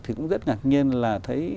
thì cũng rất ngạc nhiên là thấy